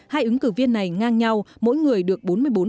hai ứng cử viên này ngang nhau mỗi người được bốn mươi bốn